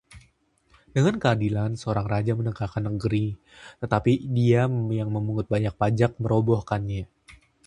Dengan keadilan, seorang raja menegakkan negeri, tetapi dia yang memungut banyak pajak merobohkannya.